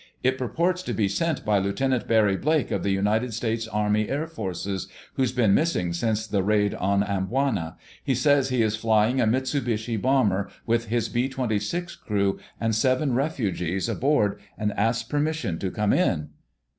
"It purports to be sent by Lieutenant Barry Blake of the United States Army Air Forces, who's been missing since the raid on Amboina. He says he is flying a Mitsubishi bomber with his B 26 crew and seven refugees aboard and asks permission to come in."